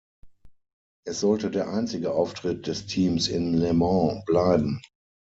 Es sollte der einzige Auftritt des Teams in Le Mans bleiben.